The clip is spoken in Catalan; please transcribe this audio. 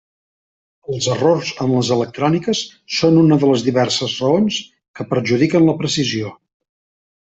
Els errors en les electròniques són una de les diverses raons que perjudiquen la precisió.